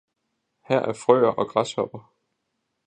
her er Frøer og Græshopper!